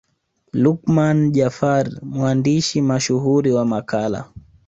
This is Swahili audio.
Luqman Jafari mwandishi mashuhuri wa Makala